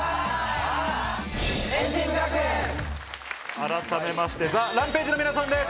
改めましてＴＨＥＲＡＭＰＡＧＥの皆さんです。